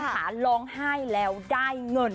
หาร้องไห้แล้วได้เงิน